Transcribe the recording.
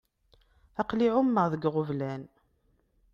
Aql-i εummeɣ deg iɣeblan.